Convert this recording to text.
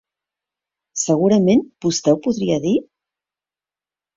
Segurament vostè ho podria dir?